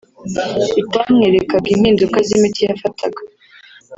bitamwerekaga impinduka z’imiti yafataga